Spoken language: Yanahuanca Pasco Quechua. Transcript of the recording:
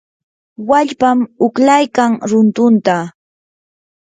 wallpam uqlaykan runtunta.